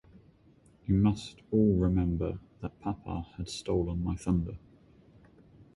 You must all remember that papa had stolen my thunder.